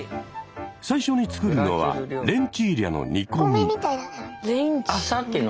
最初に作るのはレンチーリャの煮込み。